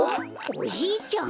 おじいちゃん。